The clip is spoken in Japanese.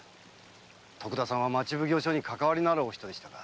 徳田さんは町奉行所にかかわりのあるお人でしたか。